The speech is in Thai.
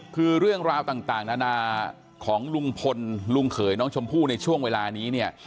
คือเรื่องราวต่างนานาของลุงพลลุงเขยน้องชมพู่ในช่วงเวลานี้เนี่ย